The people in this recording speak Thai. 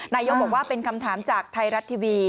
นายกบอกว่าเป็นคำถามจากไทยรัฐทีวี